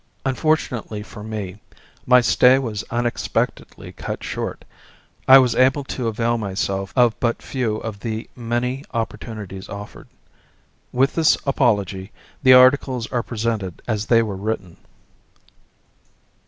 Unfortunately for me, my stay was unexpectedly cut short. I was able to avail myself of but few of the many opportunities offered. With this apology, the articles are presented as they were written.